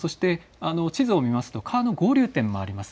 地図を見ますと川の合流点もあります。